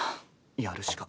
やるしか。